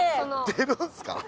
出るんですか？